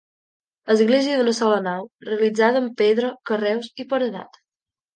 Església d'una sola nau, realitzada amb pedra, carreus i paredat.